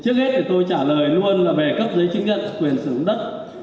trước hết thì tôi trả lời luôn là về cấp giấy chứng nhận quyền sử dụng đất